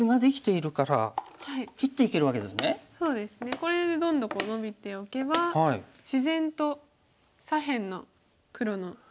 これでどんどこノビておけば自然と左辺の黒の大模様が。